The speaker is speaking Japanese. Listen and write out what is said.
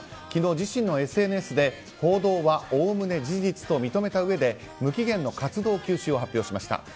昨日、自身のＳＮＳで報道はおおむね事実と認めたうえで無期限の活動休止を発表しました。